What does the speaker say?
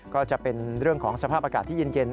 ก็จะเป็นเรื่องของสภาพอากาศที่เย็น